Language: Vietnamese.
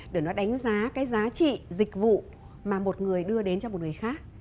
để nó đánh giá cái giá trị dịch vụ mà một người đưa đến cho một người khác